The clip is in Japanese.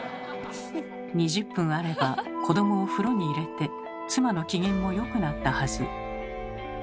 ２０分あれば子どもを風呂に入れて妻の機嫌も良くなったはず。